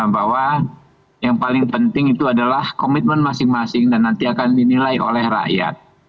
bahwa yang paling penting itu adalah komitmen masing masing dan nanti akan dinilai oleh rakyat